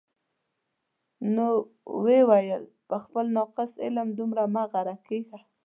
نو ویې ویل: په خپل ناقص علم دومره مه غره کېږه.